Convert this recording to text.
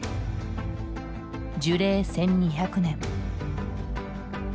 樹齢１，２００年。